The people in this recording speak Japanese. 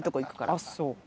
あっそう。